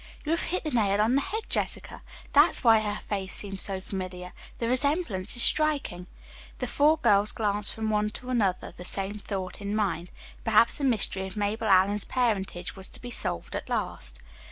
"You have hit the nail on the head, Jessica. That's why her face seemed so familiar. The resemblance is striking." The four girls glanced from one to another, the same thought in mind. Perhaps the mystery of Mabel Allison's parentage was to be solved at last.